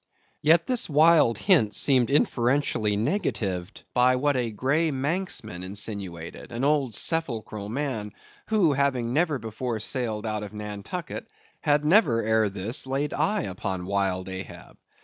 Yet, this wild hint seemed inferentially negatived, by what a grey Manxman insinuated, an old sepulchral man, who, having never before sailed out of Nantucket, had never ere this laid eye upon wild Ahab.